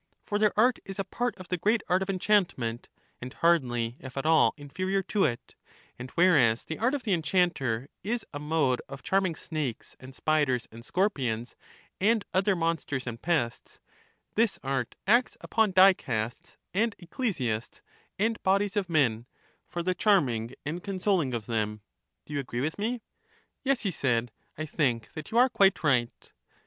For their art is a part of the great art of enchantment, and hardly, if at all, inferior to it: and whereas the art of the enchanter is a mode of charming snakes and spiders and scorpions, and other monsters and pests, this art acts upon dicasts and ecclesiasts and bodies of men, for the charming and consoling of them. Do you agree with me? Yes, he said, I think that you are quite right.